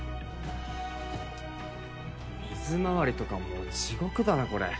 水回りとかもう地獄だなこれ。